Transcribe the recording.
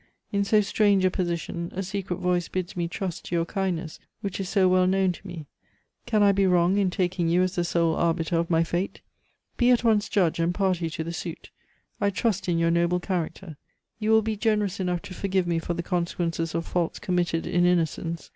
In so strange a position, a secret voice bids me trust to your kindness, which is so well known to me. Can I be wrong in taking you as the sole arbiter of my fate? Be at once judge and party to the suit. I trust in your noble character; you will be generous enough to forgive me for the consequences of faults committed in innocence.